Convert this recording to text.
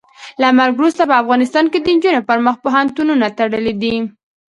له مرګه وروسته په افغانستان کې د نجونو پر مخ پوهنتونونه تړلي دي.